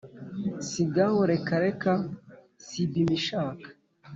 sigaho rekareka sibmishaka